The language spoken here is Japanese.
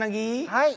はい。